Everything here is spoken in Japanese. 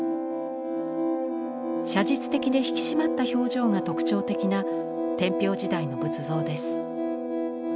写実的で引き締まった表情が特徴的な天平時代の仏像です。